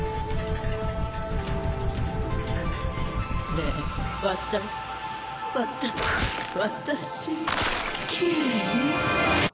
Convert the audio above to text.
ねえわたわたわたしきれい？